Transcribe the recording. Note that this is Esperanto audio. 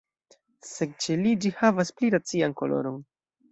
Sed ĉe li ĝi havas pli racian koloron.